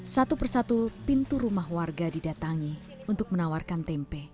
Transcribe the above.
satu persatu pintu rumah warga didatangi untuk menawarkan tempe